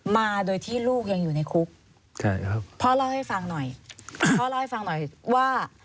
มาโดยที่ลูกยังอยู่ในคุกใช่ครับพ่อเล่าให้ฟังหน่อยพ่อเล่าให้ฟังหน่อยว่า